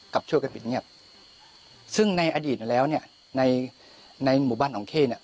กลับช่วยกันเป็นเงียบซึ่งในอดีตนั้นแล้วเนี่ยในในหมู่บ้านองค์เคน่ะ